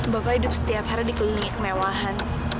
bapak hidup setiap hari di keliling kemewahan